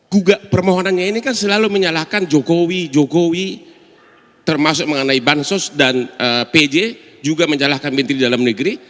gugat permohonannya ini kan selalu menyalahkan jokowi jokowi termasuk mengenai bansos dan pj juga menyalahkan menteri dalam negeri